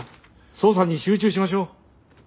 捜査に集中しましょう。